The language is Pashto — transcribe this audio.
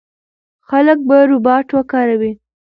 خلک به روباټ وکاروي.